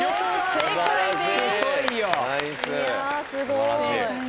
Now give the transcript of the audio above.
正解です。